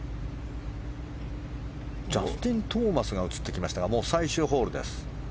ジャスティン・トーマスが映ってきましたがもう最終ホールです。